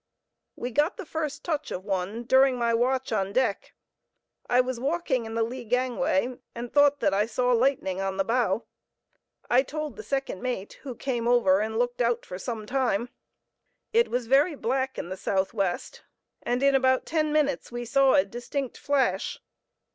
We got the first touch of one during my watch on deck. I was walking in the lee gangway, and thought that I saw lightning on the bow. I told the second mate, who came over and looked out for some time. It was very black in the southwest, and in about ten minutes we saw a distinct flash.